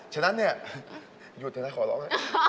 ฉะนั้นหยุดเถอะขอร้อง